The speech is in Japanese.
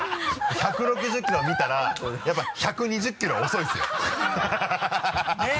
１６０キロ見たらやっぱ１２０キロは遅いですよ ねぇ！